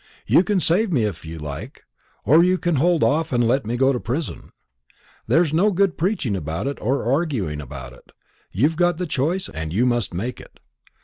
You can save me if you like, or you can hold off and let me go to prison. There's no good preaching about it or arguing about it; you've got the choice and you must make it.